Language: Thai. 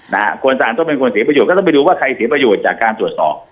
นะฮะคนสั่งต้องเป็นคนเสียประโยชนก็ต้องไปดูว่าใครเสียประโยชน์จากการตรวจสอบ